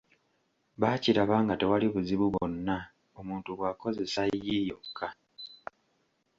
Baakiraba nga tewali buzibu bwonna omuntu bw’akozesa ‘l’ yokka.